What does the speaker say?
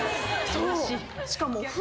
しかも。